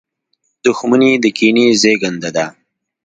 • دښمني د کینې زېږنده ده.